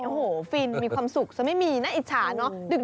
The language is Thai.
โอ้โหฟินมีความสุขซะไม่มีน่าอิจฉาเนอะ